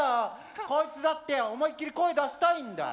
こいつだって思いっきり声出したいんだよ。